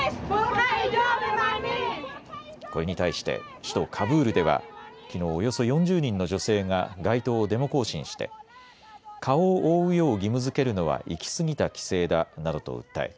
これに対して首都カブールではきのう、およそ４０人の女性が街頭をデモ行進して顔を覆うよう義務づけるのは行きすぎた規制だなどと訴え